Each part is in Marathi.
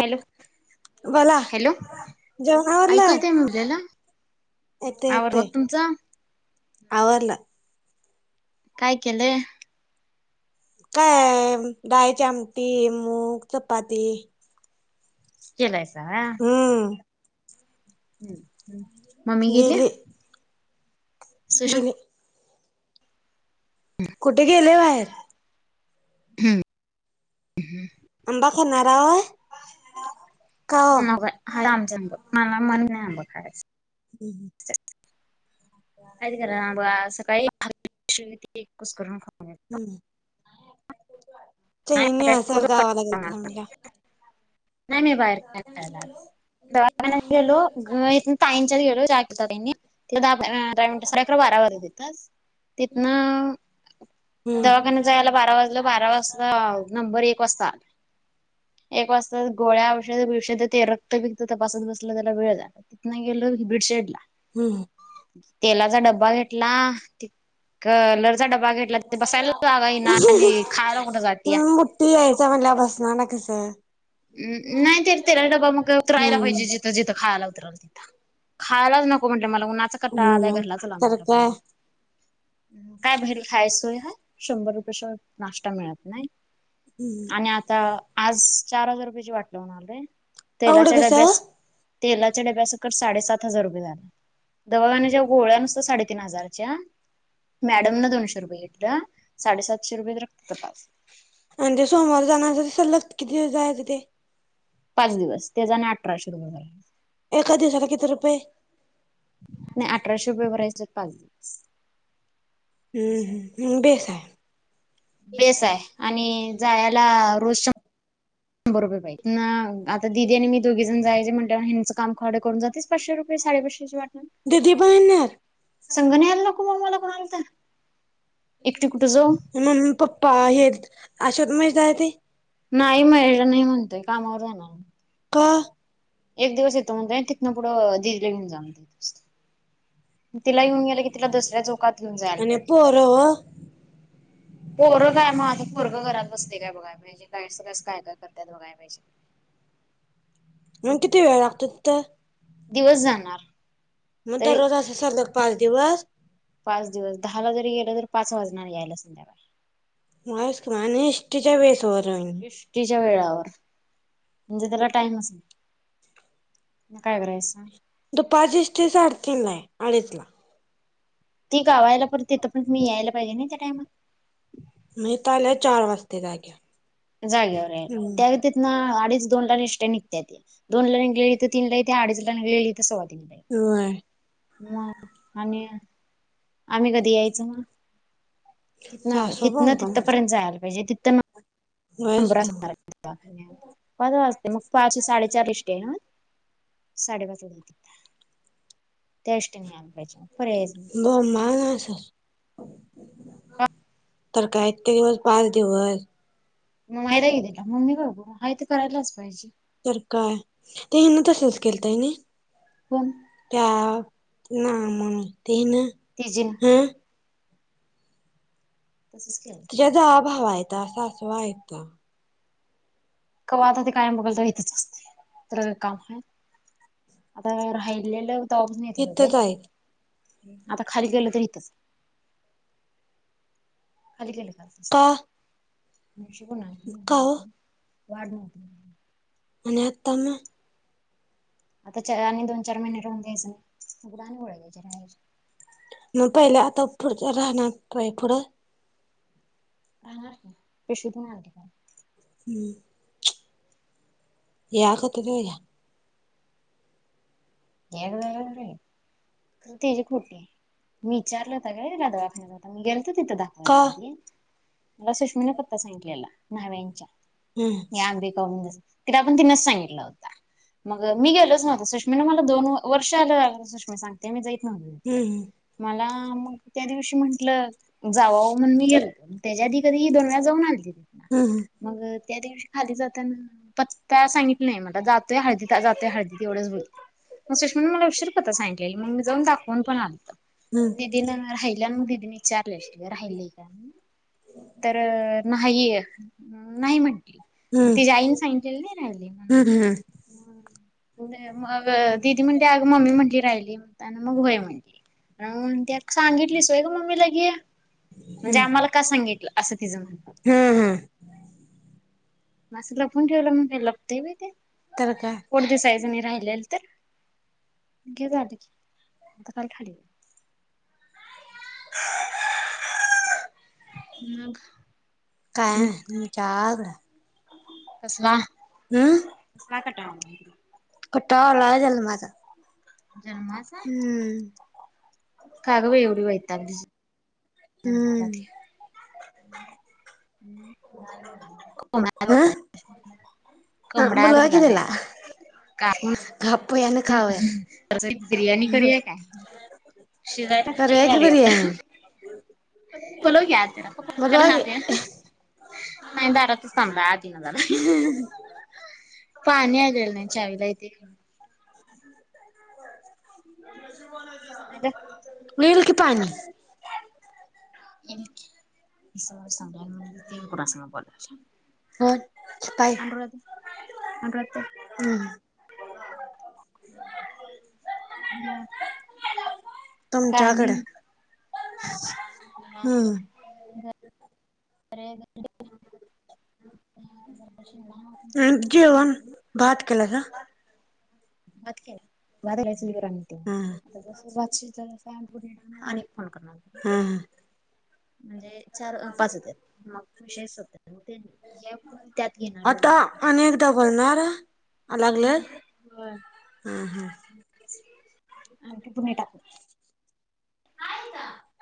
हॅलो, बोला हॅलो आयकू येतय मी बोलल्याल? येते, येते आवरल. काय केलंय? काय डाळीची आमटी, मूग, चपाती. केलायसा हम्म हम्म, हम्म मम्मी गेली? गेली. कुठे गेली बाहेर. हम्म आंबा खाणार हाय? का ओ नाय बाई हाय आम जाऊन बघ मला मन नाही आंबा खायचं. हम्म, हम्म [unintelligible] कुस्करून खाल्लो. हम्म चैनी असेल गावाला गेलतसा म्हणल्यावर? नाही मी बाहेर काय खायला आज. दवाखान्यात गेलो घरी येताना ताईंच्यात गेलो चहा केलता त्यांनी दहा मिनट साडे अकरा बारा वाजले तिथंच. तिथनं हम्म दवाखान्यात जायला बारा वाजल. बारा वाजता नंबर एक वाजता आला. एक वाज तर गोळ्या औषध-बीवशद ते रक्त-बिक्त तपासात बसलं कण वेळ जातो तिथन गेल बिडशेडला. हम्म तेलाचा डब्बा घेतला ती जागा येईना आणि खायला कुठं जातीया मोठी यायचा म्हणल्यावर भाषणाला काय कस हाय? हम नाही ते तेलाचा ड्बा मग उतरायला हम्म पाहिजे जिथं जिथं खायाला उतरल तिथं खायलाच नको म्हटलं मला उन्हाचा कटाळा आला हम्म घरला चला तर म्हटलं काय पहिले काय बायर खायची सोय हाय शंभर रुप कशात नाश्ता मिळत नाही. आणि आता आज चार हजार रुपयाची वाट लावून आलोय एवढं तेलाच्या कसं डब्यास तेलाच्या डब्यासकट साडेसात हजार रुपय [unintelligible] दवाखान्याच्या गोळ्या नुसत्या साडेतीन हजारच्या मॅडम न दोनशे रुपये घेतलं साडेसातशे रुपये तर तपास म्हजे सोमवार जाणार [unintelligible] किती दिवस जायचं ते? पाच दिवस त्याजा न आठ रिकामा ऑडिओ एका दिवसाला किती रुपय? नाय अठराशे रुपये भरायचंत पाच दिवस हूं असं आहे हूं ते. हूं बेस हाय बेस हाय आणि जाया ला रोज शं बरोबर बाई नाव आता दिदी आणि मी दोघीजण जायाचे म्ह त्या हयाचं काम खाडा करून जातेच पाचशे साडेपाचशेची वा दिदी बायण संग न्यायला नको रिकामा मग ऑडिओ मम्मी पप्पा आहेत [unintelligible] नाही महेश नाही म्हणतोय कामावर जाणार का एक दिवस येतो म्हणलय तिथनं पुढं [unintelligible] तिला येऊन गेलं की तिला दुसऱ्या झोकात घेऊन जायला आणि पाहिजे पोर पोरं काय मग पोरग घरात बसतय काय बघाय पाहिजे [unintelligible] काय काय करताय बघायला पाहिजे. मग नेमकी तेरा वाक्यात काय... दिवस जाणार. मग तरी दररोज अस सलग पाच दिवस पाच दिवस दहाला जरी गेल तरी पाच वाजणार येला संध्याकाळी..... एष्टीच्या वेळावर [unintelligible] म्हणजे त्याला टाईमच नाही ना काय करायचं सांग दुपारची एस टी सारखी नाही... आडीचला... ती गावाला तिथं पण मी यायला पाहिजे ना त्या टाईमात मी तर आले चार वाजता जागेवर.... जाग्यावर यायले त्या तिथनं अडीच दोन ला एसटी नि.... त्या त्या... दोनला निघाले त तीन ला येते अडीच.... होय [unintelligible] मग आणि..... आम्ही कधी यायचं म... तिथंन सासू इथन बोंबाबोंब तिथपर्यंत जायला पाहिजे तिथंन [unintelligible] होयच मग की पहाटे साडेचार ची एसटी हाय ना.......... साडेपाच पर्यंत त्या एसटीने आलो.... [unintelligible] [unintelligible] तर काय इतके दिवस पाच दिवस..... मी माहेरा गेली का मम्मीकड बघा... आहे तर करायलाच पाहिजे.... तर काय त्यानं तसंच केलताय ना पण त्या ना मम... त्यानं तिजी हा... तसंच केलं तुझ्या जावा भावा हायता... [unintelligible] कवा आता ते कायम बघाल तवा इथंच असतय तर काम हाय आता राहिलेलं..... तवापासून इथेच होते... इथच आहेत आता खाली गेल तरी इथंच खाली गेलय का [unintelligible] नशीबवान का हो हाय [unintelligible] आणि आत्ता ना आता आनि चा दोन चार महिने राहून जायचं मग आणि गोळया घ्यायचं [inaudible] म पाहिले आता पुढच्या राहणार व्हय पुढं [unintelligible] हम्म [inaudible] [unintelligible] [unintelligible] खरं तेजी खोटीय मी विचारलं होतं ग दवाखान्यात आता तिथं का दाखवायला लागेल मला सुष्मिन पत्ता सांगितलेला न्हव्यांचा हम्म आणि अंबिका तिला पण तीनच सांगितलं होत मग मी गेलोच नवत दोन व वर्षा आलं [unintelligible] त्यानं जाईल हम्म मला मग त्या दिवशी मण क्ल जावावं मनून मी गेलं त्याज्या आधी तरी दोन वेळा जाऊन अल्ते हंह त्या दिवशी हल्दीला जाताना पत्ता सांगितल नाही मला जातोय हल्दी ला जातोय हलदीला एवढंच मनल सुषमान मला उशिरा पता सांगितलेल मी जाऊन दाखवून पण आलो हम्म दीदी जाणार आहेत आपल्या मनून दीदीनं विचारलं अशील ग राहीलय का तर नाही नाही म्हटली तिज्या आईनं सांगितलेल हम हम [unintelligible] दीदी मनली अगं मम्मी मनली राहिली मनतान मंग होय मनली अन मनत्या सांगितलंस व्हय ग ममी लगे मनजे आमाला का सांगितलं असं तिज म्हणं हं हं असं लपून ठेवलं मनजे लपतंय व्हय ते त्याल काय राहिल्यालतं [unintelligible] मग [unintelligible] आणि काय जार कसला [unintelligible] कटाला आलय जन्माचा तुला जन्माचा हम्म का ग बाई येवढ वैतागलीस निरमा [unintelligible] हम्म [inaudible] कोंबडा अँ बघाय कोंबडा आत बगा आलय कापून गप्प यान अम्म खावय हह [unintelligible] बिर्याणी करूया काय शिजाय करूया घातलंय की आलया बिर्याणी बोलव की आत तेला बोलवा की हह नाही दारात च थाम्बालाय आत इना झालाय पाणी आलले नाही चावीला येतय काय [inaudible] [unintelligible] इल की पाणी इल की इसा सांभाळून घेत्या कुणासंग बोलालायसा हो पाय अनुराधा अनुराधा ताई हम्म या तुमच्याकड पन्नास व्हय [unintelligible] अरे ग [unintelligible] हम जेवण भात केलायसा भात केलाय भात घालायचं नाही का राणी ताई हम्म आता भात शिजलाय तस [unintelligible] आणि फोन करणार हम्म [inaudible] म्हणजे चार अ पाच होत्यात मग विषय शोधत्यात तुमि आता अनेकदा बोलणारं या लागलय हू हू हा ते तुम्ही टाकले काय म्हणता?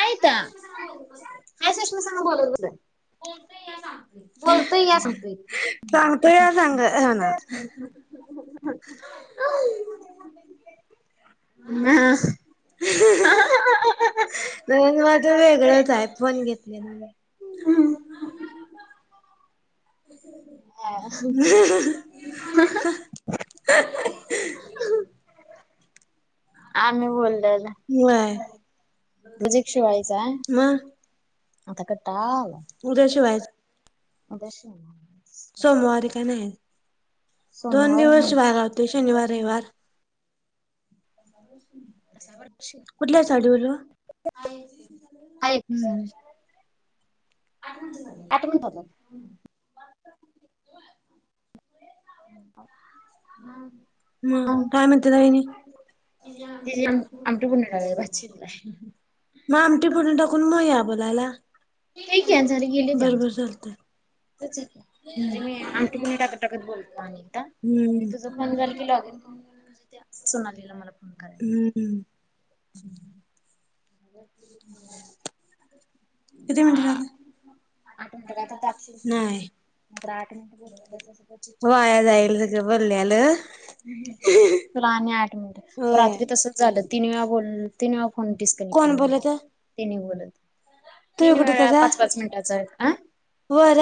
आयता [unintelligible] तु सांग बोलत बसुया [unintelligible] बोलतोय या सांगतोय सांगतो या सांग ना म अ माझ वेगळच आयफोन घेतलेला मी रिकामा ऑडिओ [inaudible] आम्ही बोल्याल. व्हय नाही एक शिवायचा मग आता कटाळा आलाय. उद्या शिवायचं आता शिवनार सोमवारी काय नाय. सोमवार दोन दिवस वार अलते शनिवार रविवार कुठल्या साडीवर हम्म. [unintelligible] आठ मिनिटाच हाय रिकामा ऑडिओ [unintelligible] मग काय म्हणत्यात वाहिनी? तिची आमटी पुन्हा टाकायची भात शिजलाय. मग आमटी फोडणी टाकून मग या बोलायला. [unintelligible] गेल्या त्या. बरोबर चालतंय. येत नाय आरे मी आमटी फोडणी टाकत टाकत बोलतो अनेकदा म्हणजे हम्म तुझ फोन झाल की लॉगिन करून घे म्हणजे त्या सोनालीला मला फोन करायला रिकामा ऑडिओ [unintelligible] म किती फोन करायचेत? किती मिनिट आ झाले आठ मिनट नाही. कातार आठ मि तुला वाया जाईल सगळं बोलल्यालं. तर आणि आठ मिनिट [inaudible] होय रात्री तसच झाल तीन वेळा बोलल तीन वेळा फोन फोन डिस्कनेक्टि कोण बोलत त्यांनी बोलत तुम्ही तीन कुठे वेळा हुतासा पाच पाच मिनिटाचा आ बर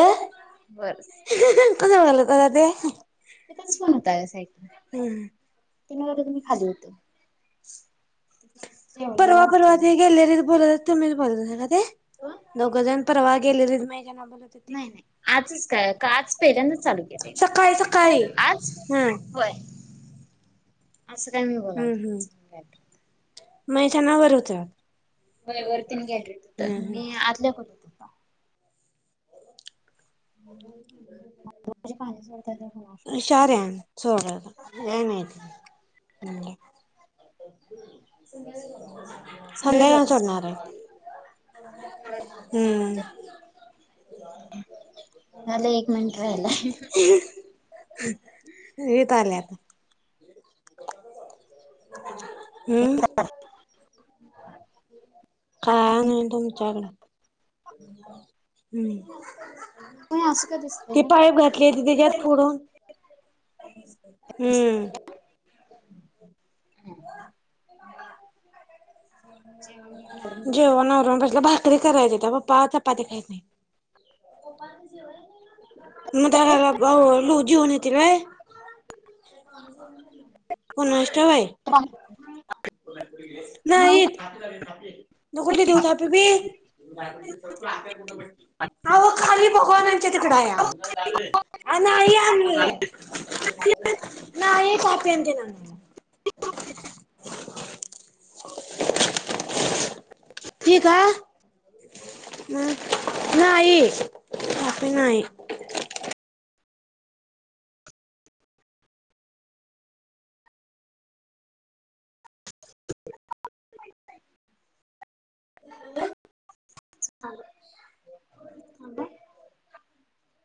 बर कस बघाल क ते तिथंच फोन होता साइडला त्यानाकर [unintelligible] तुम्ही खाली होत अ [unintelligible] परवा परवा ते गॅलरीत बोलला तुमीच मल [unintelligible] पत का ते दोघंजन परवा गेले र म ज नाही नाही आजच काय का आज पहिल्यांदाच चालू केलंय [unintelligible] सकाळी सकाळी मी आज हम् होय असं काय मी बोलावां म त्या [unintelligible] नावावर होत होय वरतीने घ्यायलो होत मी आतल्या खोलीत होत हम् माझे पाणी [unintelligible] सोडतात कोण हशार्या सोय मा ह [unintelligible] स आहे हम्म [unintelligible] येत आले आता [unintelligible] हम्म [unintelligible] ह [unintelligible] काय नाय तुमच्याकड हम्म होय असं का दिसतंय ती ग पाईप घातली होती तिझ्यात फोडून हम्म दिसतंय हा [unintelligible] ह [unintelligible] जेवणआवरून बसलं भाकरी बसले करायची त्या पप्पा आता पत [unintelligible] काहीच नाही मग दला लोजीवनथ र [inaudible] ठवय नाही येत न कुठली देऊ थापी बी [unintelligible] आहो खाली भगवानांच्या तिकड नाही आमला नाही पापच्या नाला हे का म नाही बाकी नाही [unintelligible]